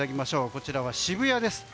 こちらは渋谷です。